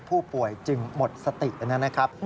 ผู้ป่วยจึงหมดสตินะครับ